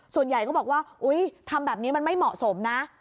ส่วนใหญ่ก็บอกว่าอุ๊ยทำแบบนี้มันไม่เหมาะสมนะ